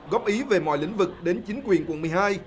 góp ý về mọi lĩnh vực đến chính quyền quận một mươi hai